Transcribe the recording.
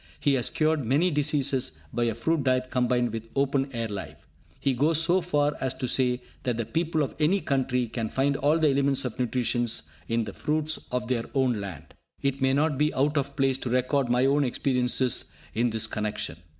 He has cured many diseases by a fruit diet combined with open air life. He goes so far as to say that the people of any country can find all the elements of nutrition in the fruits of their own land. It may not be out of place to record my own experience in this connection.